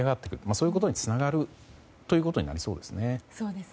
そういうことにつながるということになりそうですね。